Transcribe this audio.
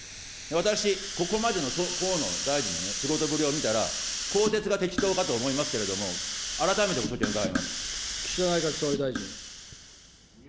私、ここまでの河野大臣の仕事ぶり見たら、更迭が適当かと思いますけれども、岸田内閣総理大臣。